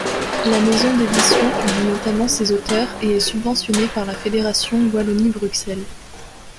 La maison d'édition publie notamment ces auteurs et est subventionnée par la Fédération Wallonie-Bruxelles.